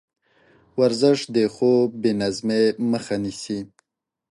ورزش د خوب بېنظمۍ مخه نیسي.